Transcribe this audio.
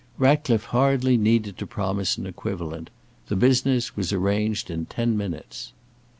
Ratcliffe hardly needed to promise an equivalent. The business was arranged in ten minutes.